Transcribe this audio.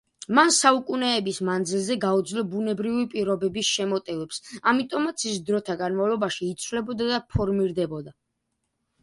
მან საუკენეების მანძილზე გაუძლო ბუნებრივი პირობების შემოტევებს, ამიტომაც ის დროთა განმავლობაში იცვლებოდა და ფორმირდებოდა.